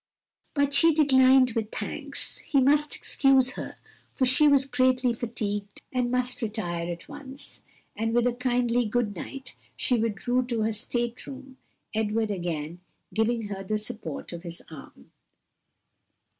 But she declined with thanks, "he must excuse her for she was greatly fatigued and must retire at once." And with a kindly "Good night," she withdrew to her state room, Edward again giving her the support of his arm.